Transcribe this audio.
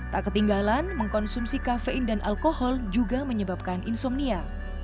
tak ketinggalan mengkonsumsi kafein dan alkohol juga menyebabkan insomnia